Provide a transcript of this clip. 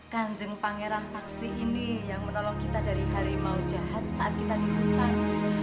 kanjeng pangeran paksi ini yang menolong kita dari harimau jahat saat kita di hutan